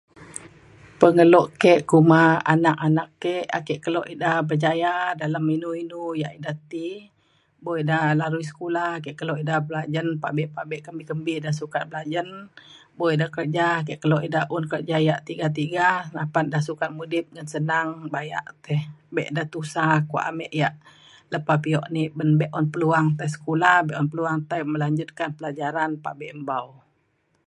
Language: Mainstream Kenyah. pengelo ke kuma anak anak ke ake kelo ida berjaya dalem inu inu ia' ida ti bo ida larui sekula ake kelo ida belajen pabe pabe kembi kembi ida sukat belajen. bo ida kerja ake kelo ida un kerja ia' tiga tiga na apan ida sukat mudip ngan senang ba'ia teh. bek da ida tusa kuak ame ia' lepa bio ni uban be'un peluang tai sekula be'un peluang tai melanjutkan pelajaran pabe mbau